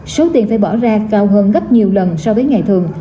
số tiền phải bỏ ra cao hơn gấp nhiều lần so với ngày thường